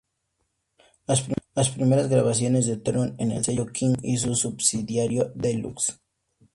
Las primeras grabaciones de Taylor fueron en el sello King y su subsidiario DeLuxe.